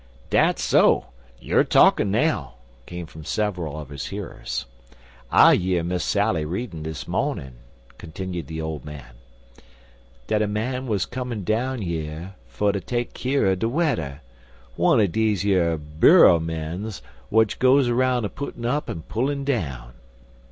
"Dat's so!" "You er talkin' now!" came from several of his hearers. "I year Miss Sally readin' dis mawnin," continued the old man, "dat a man wuz comin' down yer fer ter take keer er de wedder wunner deze yer Buro mens w'at goes 'roun' a puttin' up an' pullin' down."